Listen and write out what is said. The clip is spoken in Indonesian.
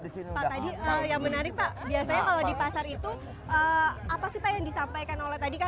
biasanya kalau di pasar itu apa sih pak yang disampaikan oleh tadi kan